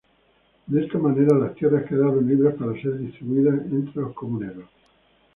De esta manera, las tierras quedaron libres para ser distribuidas entre los comuneros.